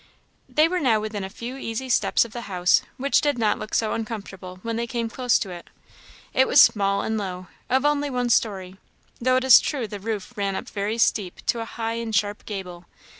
They were now within a few easy steps of the house, which did not look so uncomfortable when they came close to it. It was small and low, of only one story, though it is true the roof ran up very steep to a high and sharp gable.